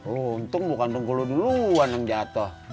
oh untung bukan tunggu lu duluan yang jatoh